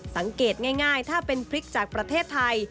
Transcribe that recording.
สังเกตง่ายถ้าเป็นพริกจากประเทศไทย